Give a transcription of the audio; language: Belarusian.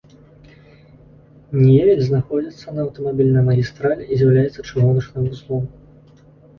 Невель знаходзіцца на аўтамабільнай магістралі і з'яўляецца чыгуначным вузлом.